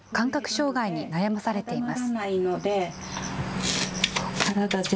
障害に悩まされています。